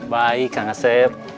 baik kang asep